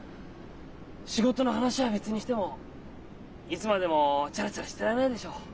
仕事の話は別にしてもいつまでもチャラチャラしてられないでしょ。